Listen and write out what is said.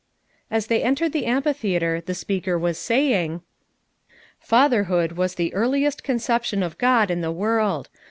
As they entered the amphitheatre the speaker was saying: "Fatherhood was the earliest conception of God in the world.